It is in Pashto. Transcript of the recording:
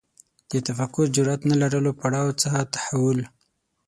د تفکر جرئت نه لرلو پړاو څخه تحول